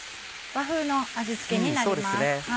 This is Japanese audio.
和風の味付けになります。